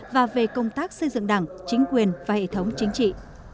và về công tác xây dựng đảng chính quyền và hệ thống chính trị